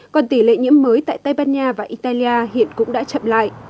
còn tỷ lệ nhiễm mới tại tây ban nha và italia hiện cũng đã chậm lại